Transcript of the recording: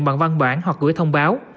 bằng văn bản hoặc gửi thông báo